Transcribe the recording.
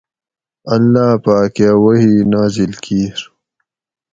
اللّٰہ پاکہ وحی نازل کِیر